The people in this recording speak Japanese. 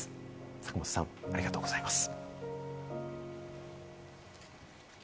坂本さん、ありがとうございます。